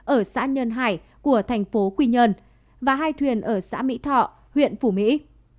ở xã nhân hải của thành phố quy nhân và hai thuyền ở xã mỹ thọ huyện phủ mỹ